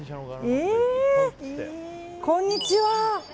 こんにちは。